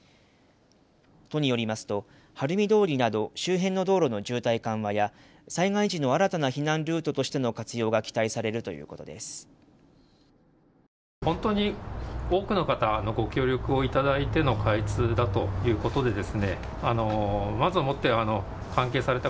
都によりますと晴海通りなど周辺の道路の渋滞緩和や災害時の新たな避難ルートとしての活用が期待されるということです。